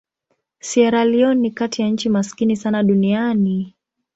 Sierra Leone ni kati ya nchi maskini sana duniani.